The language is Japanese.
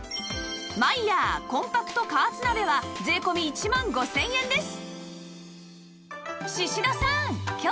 マイヤーコンパクト加圧鍋は税込１万５０００円です